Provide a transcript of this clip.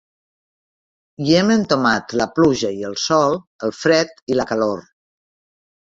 Hi hem entomat la pluja i el sol, el fred i la calor.